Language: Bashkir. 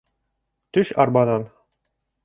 Төш арбанан!